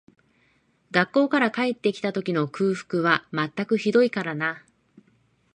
学校から帰って来た時の空腹は全くひどいからな